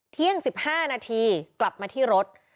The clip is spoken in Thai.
เที่ยง๑๕นาทีกลับมาที่รถ